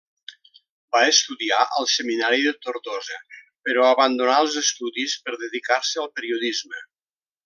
Va estudiar al Seminari de Tortosa, però abandonà els estudis per dedicar-se al periodisme.